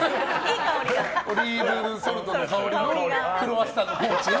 オリーブソルトの香りのクロワッサンのポーチ。